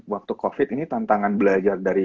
waktu covid ini tantangan belajar dari